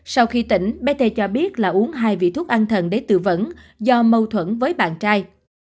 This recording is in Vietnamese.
sau khi tỉnh bé t cho biết là uống hai vị thuốc ăn thần để tự vẫn do mâu thuẫn với bạn trai